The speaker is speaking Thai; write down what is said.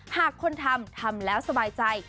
หากคนทำทำแล้วสบายใจ